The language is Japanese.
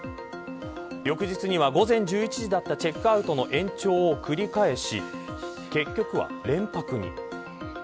翌日には、午前１１時だったチェックアウトの延長を繰り返し結局は連泊に。